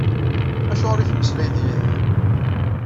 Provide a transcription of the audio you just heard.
Acuɣer i temmeslay d Yidir?